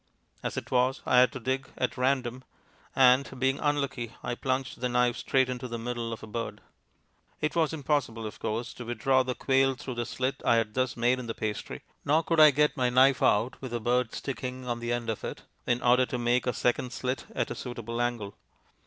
As it was, I had to dig at random, and, being unlucky, I plunged the knife straight into the middle of a bird. It was impossible, of course, to withdraw the quail through the slit I had thus made in the pastry, nor could I get my knife out (with a bird sticking on the end of it) in order to make a second slit at a suitable angle.